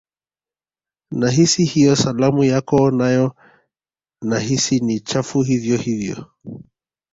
Nahisi hiyo salamu yako nayo nahisi ni chafu hivyo hivyo